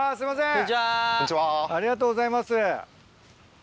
ありがとうございます。